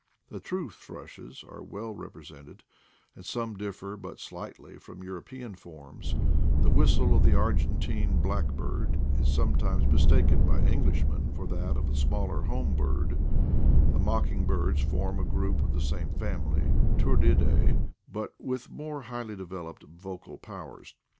The true thrushes are well repre sented, and some differ but slightly from Euro pean forms — the whistle of the Argentine black bird is sometimes mistaken by Englishmen for that of the smaller home bird The mocking birds form a group of the same family (Turdidae), but with more highly developed vocal powers.